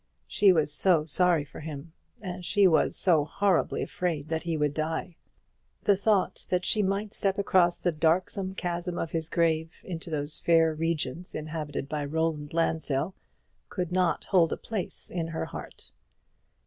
She was so sorry for him, and she was so horribly afraid that he would die. The thought that she might step across the darksome chasm of his grave into those fair regions inhabited by Roland Lansdell, could not hold a place in her heart.